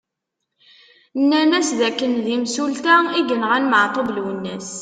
Nnan-d d akken d imsulta i yenɣan Maɛtub Lwennas.